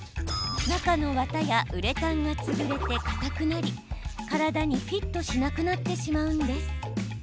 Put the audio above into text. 中の綿やウレタンが潰れてかたくなり体にフィットしなくなってしまうんです。